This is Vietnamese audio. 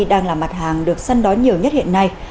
đang là mặt hàng được săn đói nhiều nhất hiện nay